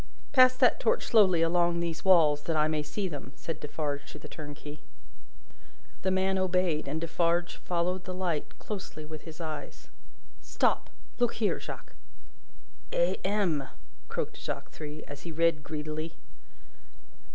"Pass that torch slowly along these walls, that I may see them," said Defarge to the turnkey. The man obeyed, and Defarge followed the light closely with his eyes. "Stop! Look here, Jacques!" "A. M.!" croaked Jacques Three, as he read greedily.